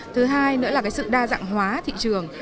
thứ hai nữa là cái sự đa dạng hóa thị trường